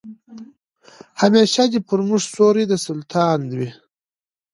همېشه دي پر موږ سیوری د سلطان وي